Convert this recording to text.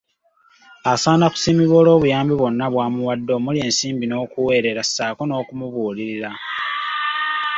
Asaana kusiimibwa olw'obuyambi bwonna bwamuwadde omuli ensimbi n'okumuweerera ssaako n'okumubuulirira.